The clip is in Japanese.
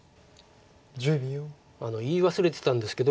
言い忘れてたんですけど